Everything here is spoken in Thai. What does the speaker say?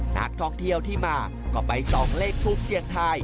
นักท่องเที่ยวที่มาก็ไปส่องเลขทูปเสียงทาย